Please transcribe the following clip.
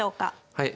はい。